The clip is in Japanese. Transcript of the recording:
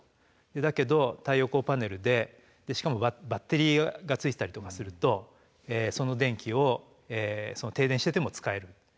だけど太陽光パネルでしかもバッテリーがついてたりとかするとその電気を停電してても使える。